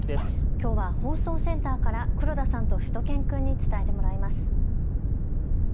きょうは放送センターから黒田さんとしゅと犬くんに伝えてもらいます。